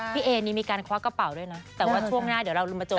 พี่เอนี่มีการควักกระเป๋าด้วยนะแต่ว่าช่วงหน้าเดี๋ยวเราลืมมาเจอ